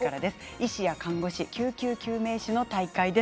医師や看護師、救急救命士の大会です。